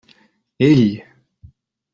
Ell?